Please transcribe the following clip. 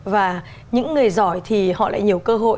và những người giỏi thì họ lại nhiều cơ hội